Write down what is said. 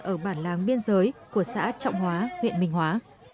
ở bản láng biên giới của xã trọng hóa huyện minh hóa